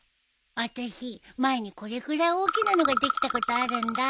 あたし前にこれくらい大きなのができたことあるんだ。